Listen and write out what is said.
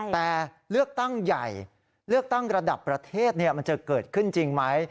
แต่เลือกตั้งใหญ่เลือกตั้งระดับประเทศมันจะเกิดขึ้นจริงไหม